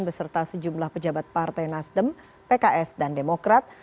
beserta sejumlah pejabat partai nasdem pks dan demokrat